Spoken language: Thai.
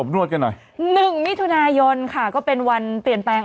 นวดกันหน่อยหนึ่งมิถุนายนค่ะก็เป็นวันเปลี่ยนแปลง